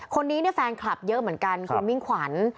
คนนี้เนี่ยแฟนคลับเยอะเหมือนกันคุณมิ่งขวัญ